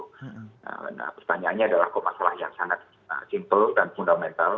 nah pertanyaannya adalah kok masalah yang sangat simple dan fundamental